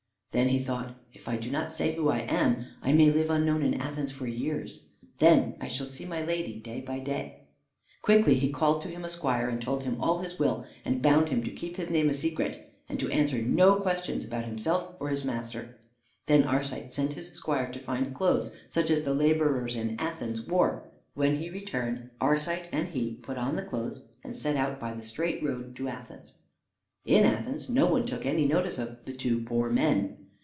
Then he thought, "If I do not say who I am, I may live unknown in Athens for years. Then I shall see my lady day by day." Quickly he called to him a squire, and told him all his will, and bound him to keep his name a secret and to answer no questions about himself or his master. Then Arcite sent his squire to find clothes such as the laborers in Athens wore. When he returned, Arcite and he put on the clothes and set out by the straight road to Athens. In Athens no one took any notice of the two poor men.